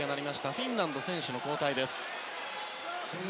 フィンランドの選手交代です。